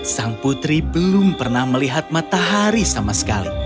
sang putri belum pernah melihat matahari sama sekali